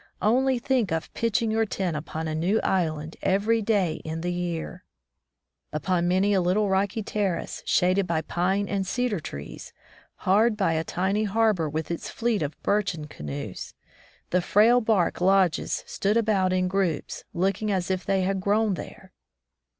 Only think of pitching your tent upon a new island every day in the year ! Upon many a little rocky terrace, shaded by pine and cedar trees, hard by a tiny harbor with its fleet of birchen canoes, the frail bark lodges stood about in groups, looking as if they had grown there.